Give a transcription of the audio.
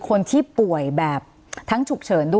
คนที่ป่วยแบบทั้งฉุกเฉินด้วย